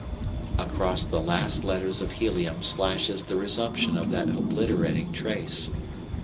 Across the last letters of helium slashes the resumption of that obliterating trace.